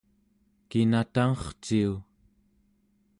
kina tangerciu?